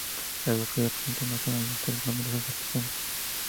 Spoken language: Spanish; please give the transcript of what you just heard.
La localidad presenta una zona industrial y numerosos artesanos.